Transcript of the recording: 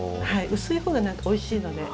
薄い方がおいしいので。